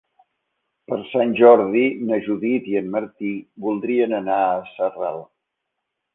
Per Sant Jordi na Judit i en Martí voldrien anar a Sarral.